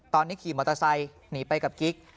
ตอนนี้ขี่มอเตอร์ไซค์หนีไปกับกิ๊ก